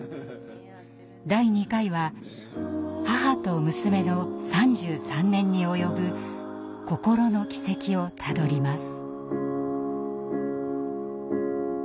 第２回は母と娘の３３年に及ぶ心の軌跡をたどります。